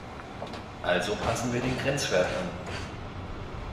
Also passen wir den Grenzwert an.